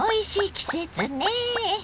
季節ね。